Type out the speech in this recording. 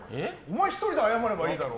１人で謝ればいいだろ。